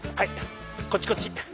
こっちこっち！